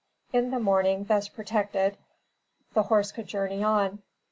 In the morning, thus protected, the horse could journey on.